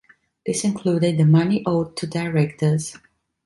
This included the money owed to directors.